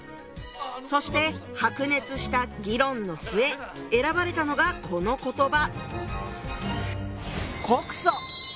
そして白熱した議論の末選ばれたのがこの言葉。